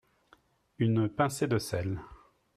une pincé de sel